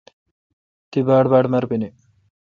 تی باڑباڑ مربینی